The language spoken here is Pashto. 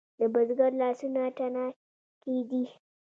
د بزګر لاسونه تڼاکې دي؟